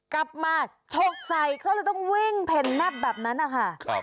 กลับมาชกใส่เขาเลยต้องวิ่งแผ่นแนบแบบนั้นนะคะ